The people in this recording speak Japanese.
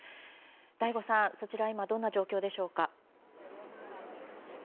醍醐さん、そちらは今どんな状況でしょうか？